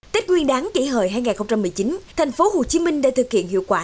tết nguyên đáng kỷ hợi hai nghìn một mươi chín thành phố hồ chí minh đã thực hiện hiệu quả